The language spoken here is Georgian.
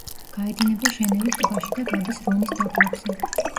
გაედინება ჟენევის ტბაში და გადის რონის დაბლობზე.